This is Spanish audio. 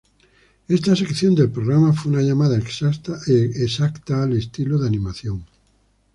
Esta sección del programa fue una llamada exacta al estilo de animación.